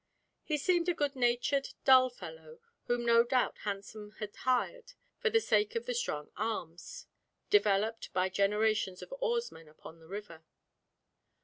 He seemed a good natured, dull fellow, whom no doubt Hansen had hired for the sake of the strong arms, developed by generations of oarsmen upon the river.